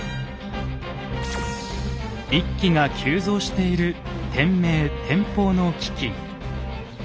一揆が急増している天明・天保の飢饉。